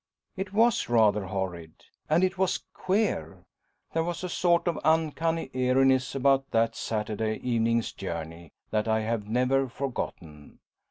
It was rather horrid. And it was queer. There was a sort of uncanny eeriness about that Saturday evening's journey that I have never forgotten.